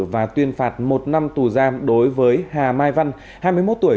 và tuyên phạt một năm tù giam đối với hà mai văn hai mươi một tuổi